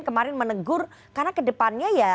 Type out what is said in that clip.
kemarin menegur karena ke depannya ya